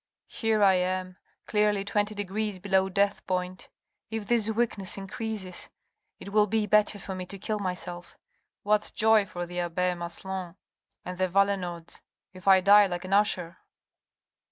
Here I am, clearly twenty degrees below death point ... If this weakness increases, it will be better for me to kill myself. What joy for the abbe Maslon, and the Valenods, if I die like an usher."